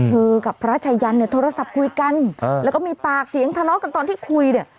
กับพระชายันเนี่ยโทรศัพท์คุยกันแล้วก็มีปากเสียงทะเลาะกันตอนที่คุยเนี่ย